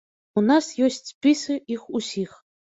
У нас ёсць спісы іх усіх.